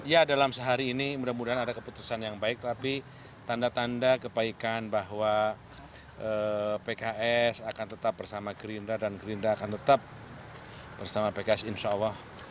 ya dalam sehari ini mudah mudahan ada keputusan yang baik tapi tanda tanda kebaikan bahwa pks akan tetap bersama gerindra dan gerindra akan tetap bersama pks insya allah